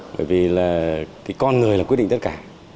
bởi vì là cái con người là quyết định tất cả